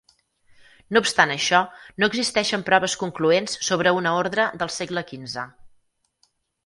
No obstant això, no existeixen proves concloents sobre una ordre del segle XV.